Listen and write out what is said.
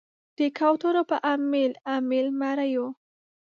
د کوترو په امیل، امیل مریو